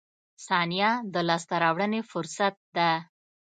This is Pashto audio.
• ثانیه د لاسته راوړنې فرصت ده.